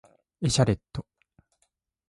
エシャレット